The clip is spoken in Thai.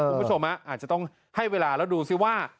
คุณผู้ชมอาจจะต้องให้เวลาแล้วดูซิว่า